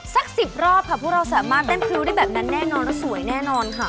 สักสิบรอบค่ะปุ๊ตเราสามารถแน่นรู้ได้แบบนั้นแน่นอน๊ะสวยแน่นอนค่ะ